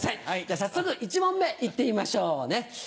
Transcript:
早速１問目行ってみましょうね。